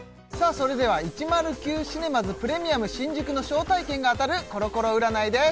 それでは１０９シネマズプレミアム新宿の招待券が当たるコロコロ占いです